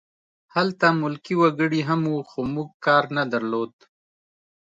هلته ملکي وګړي هم وو خو موږ کار نه درلود